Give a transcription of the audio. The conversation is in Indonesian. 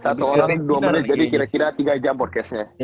satu orang dua menit jadi kira kira tiga jam podcastnya